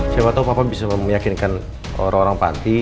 siapa tahu papa bisa meyakinkan orang orang panti